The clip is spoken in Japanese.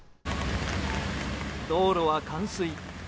道路は冠水。